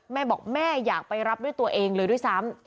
แม่บอกแม่อยากไปรับด้วยตัวเองเลยด้วยซ้ำ